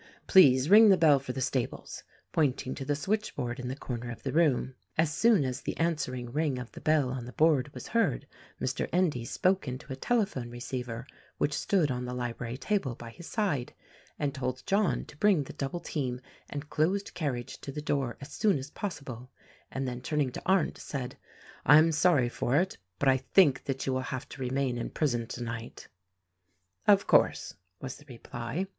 Please ring the bell for the stables" — pointing to the switchboard in the corner of the room. As soon as the answering ring of the bell on the board was heard Mr. Endy spoke into a tele phone receiver which stood on the library table by his side, and told John to bring the double team and closed carriage to the door as soon as possible; and then turning to Arndt, said, "I am sorry for it, but I think that you will have to remain in prison tonight." "Of course," was the reply.